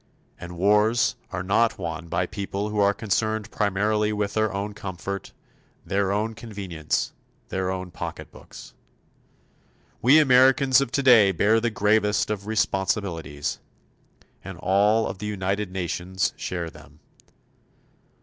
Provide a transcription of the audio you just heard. And wars are not won by people who are concerned primarily with their own comfort, their own convenience, their own pocketbooks. We Americans of today bear the gravest of responsibilities. And all of the United Nations share them.